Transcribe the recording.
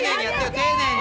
丁寧に。